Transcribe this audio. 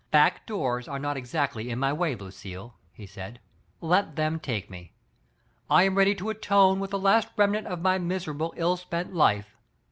''Back doors are not exactly in my way, Lucille," he said, "let them take me. I am ready to atone with the last remnant of my mis erable, ill spent life."